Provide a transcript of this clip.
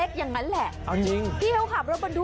วิทยาลัยศาสตร์อัศวิทยาลัยศาสตร์